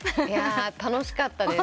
楽しかったです。